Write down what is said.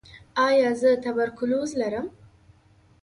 ایا زه تبرکلوز لرم؟